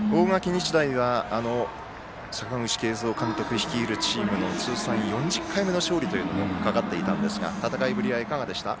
日大は阪口慶三監督率いるチームの通算４０回目の勝利もかかっていたんですが戦いぶりはいかがでしたか？